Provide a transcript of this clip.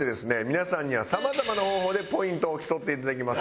皆さんにはさまざまな方法でポイントを競っていただきます。